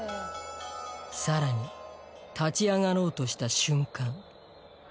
さらに立ち上がろうとした瞬間